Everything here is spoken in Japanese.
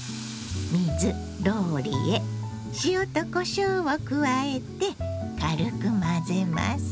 水ローリエ塩とこしょうを加えて軽く混ぜます。